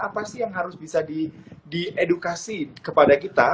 apa sih yang harus bisa diedukasi kepada kita